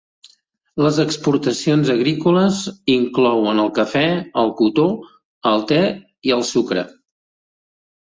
Les exportacions agrícoles inclouen el cafè, el cotó, el te i el sucre.